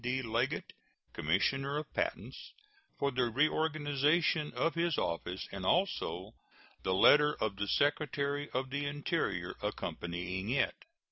D. Leggett, Commissioner of Patents, for the reorganization of his office, and also the letter of the Secretary of the Interior accompanying it.